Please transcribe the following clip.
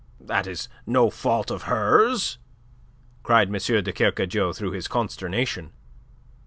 "That is no fault of hers," cried M. de Kercadiou through his consternation.